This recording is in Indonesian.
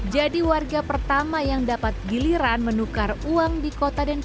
jadi warga pertama yang dapat giliran menukar uang di kota denbuk